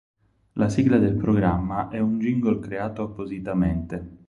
La sigla del programma è un jingle creato appositamente.